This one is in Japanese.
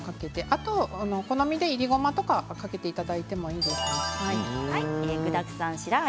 あとはお好みでいりごまをかけていただいてもいいですね。